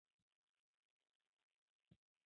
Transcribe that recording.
سیموکې شته دي.